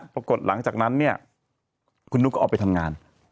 ปรากฏหลังจากนั้นเนี่ยคุณนุ๊กก็ออกไปทำงาน